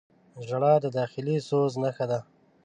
• ژړا د داخلي سوز نښه ده.